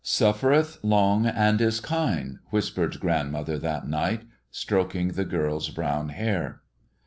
"'Suffereth long and is kind,'" whispered grandmother that night, stroking the girl's brown hair.